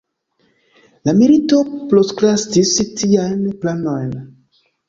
La milito prokrastis tiajn planojn.